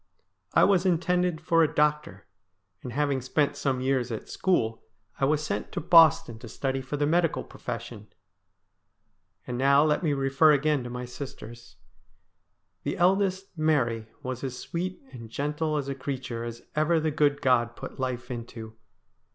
I was intended for a doctor, and, having spent some years at school, I was sent to Boston to study for the medical profession. And now let me refer again to my sisters. The eldest, Mary, was as sweet and gentle a creature as ever the good God put life into.